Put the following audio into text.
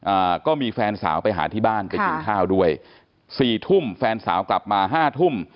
อ่าก็มีแฟนสาวไปหาที่บ้านไปกินข้าวด้วยสี่ทุ่มแฟนสาวกลับมาห้าทุ่ม